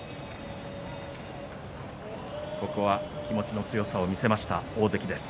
ここは気持ちの強さを見せました大関です。